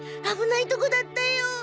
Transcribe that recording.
危ないとこだったよ。